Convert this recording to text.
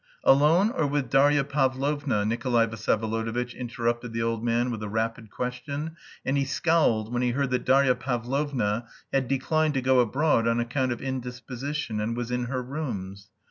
"Alone, or with Darya Pavlovna?" Nikolay Vsyevolodovitch interrupted the old man with a rapid question, and he scowled when he heard that Darya Pavlovna "had declined to go abroad on account of indisposition and was in her rooms."